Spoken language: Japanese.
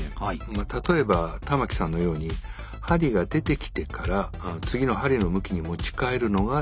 例えば玉木さんのように針が出てきてから次の針の向きに持ち替えるのが通常なんです。